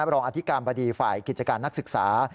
รองอธิการบดีฝ่ายกิจการนักศึกษา